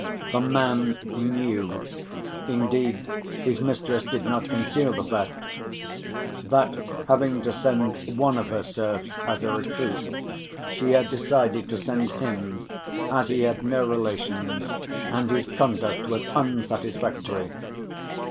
The man knew—indeed his mistress did not conceal the fact—that having to send one of her serfs as a recruit she had decided to send him, as he had no relations and his conduct was unsatisfactory.